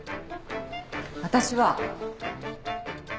私は。